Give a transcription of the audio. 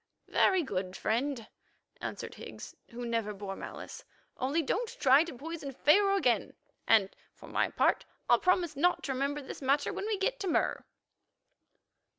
"Very good, friend," answered Higgs, who never bore malice, "only don't try to poison Pharaoh again, and, for my part, I'll promise not to remember this matter when we get to Mur."